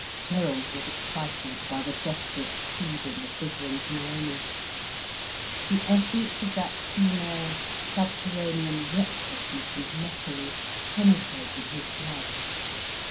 Gerald was excited by the desperate cleaving of Gudrun to Naomi. The essence of that female, subterranean recklessness and mockery penetrated his blood.